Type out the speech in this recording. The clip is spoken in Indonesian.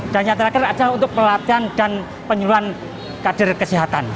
dan yang terakhir adalah untuk pelatihan dan penyeluan kader kesehatan